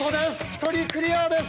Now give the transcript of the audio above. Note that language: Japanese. １人クリアです。